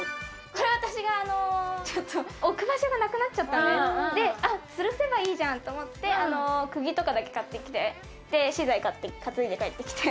これ私がちょっと置く場所がなくなっちゃったんで吊るせばいいじゃんと思ってクギとかだけ買ってきて資材買って担いで帰ってきて。